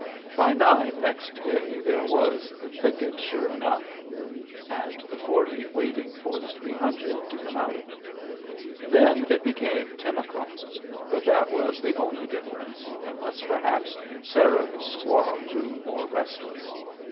By nine next day there was the thicket sure enough, and the forty waiting for the three hundred to come out of it. Then it became ten o'clock, but that was the only difference, unless perhaps Sarah the squaw grew more restless.